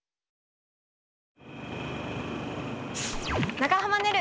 長濱ねる